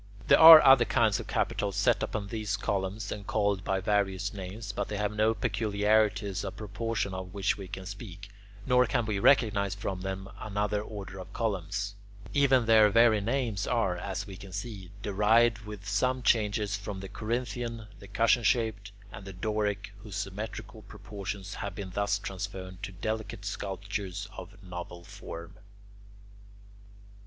There are other kinds of capitals set upon these same columns and called by various names, but they have no peculiarities of proportion of which we can speak, nor can we recognize from them another order of columns. Even their very names are, as we can see, derived with some changes from the Corinthian, the cushion shaped, and the Doric, whose symmetrical proportions have been thus transferred to delicate sculptures of novel form.